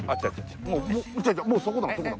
もうそこだもん。